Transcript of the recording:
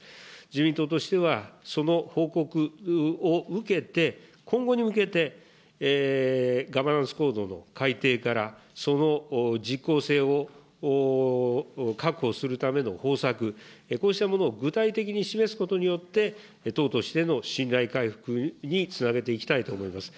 自民党としては、その報告を受けて、今後に向けてガバナンス行動の改定から、その実効性を確保するための方策、こうしたものを具体的に示すことによって、党としての信頼回復につなげていきたいと思います。